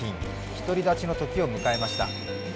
独り立ちの時を迎えました。